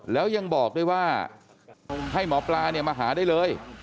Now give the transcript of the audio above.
แล้วยังบอกด้วยว่าให้หมอปลาเนี่ยมาหาได้เลย